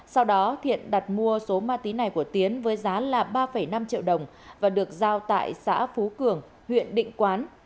sau đó thiện đặt mua số ma túy này của tiến với giá là ba năm triệu đồng và được giao tại xã phú cường huyện định quán